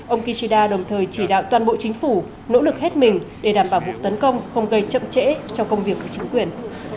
ông kishida đồng thời chỉ đạo toàn bộ chính phủ nỗ lực hết mình để đảm bảo vụ tấn công không gây chậm trễ trong công việc của chính quyền